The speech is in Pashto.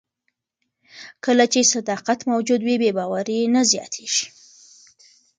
کله چې صداقت موجود وي، بې باوري نه زیاتیږي.